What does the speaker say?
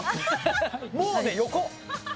もうね、横。